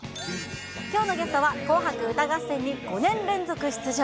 きょうのゲストは、紅白歌合戦に５年連続出場。